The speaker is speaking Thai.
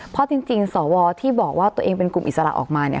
เพราะจริงสวที่บอกว่าตัวเองเป็นกลุ่มอิสระออกมาเนี่ย